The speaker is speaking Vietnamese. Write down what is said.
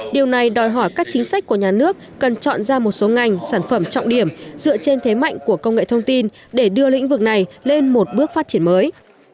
điều này đòi hỏi các chính sách của nhà nước cần chọn ra một số ngành sản phẩm trọng điểm dựa trên thế mạnh của công nghệ thông tin để đưa lĩnh vực này lên một bước phát triển mới